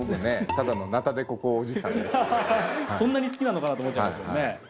そんなに好きなのかな？と思っちゃいますけどね。